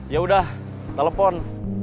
ya udah telepon